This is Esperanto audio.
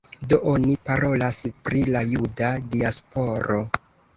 Do oni parolas pri la juda diasporo.